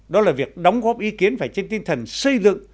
đó là việc đóng góp ý kiến phải trên tinh thần xây dựng